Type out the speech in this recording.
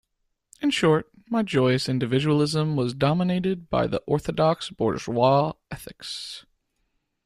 In short, my joyous individualism was dominated by the orthodox bourgeois ethics.